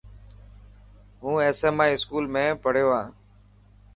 هون SMI اسڪول ۾ پهڙيو هان.